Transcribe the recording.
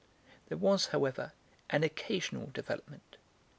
There was, however, an occasional development.